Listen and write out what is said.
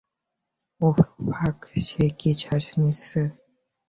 ওহ, fuck, সে কি শ্বাস নিচ্ছে?